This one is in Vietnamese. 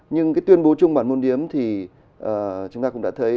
nhưng cái tuyên bố chung bản môn điếm thì chúng ta cũng đã thấy